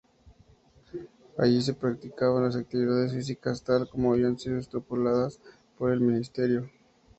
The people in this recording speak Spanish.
Allí se practicaban las actividades físicas tal como habían sido estipuladas por el Ministerio.